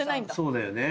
そうだよね。